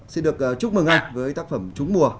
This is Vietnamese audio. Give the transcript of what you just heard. xin được chúc mừng anh với tác phẩm trúng mùa